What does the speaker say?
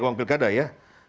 orang pilkada ya